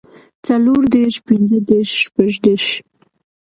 څلور دېرش پنځۀ دېرش شپږ دېرش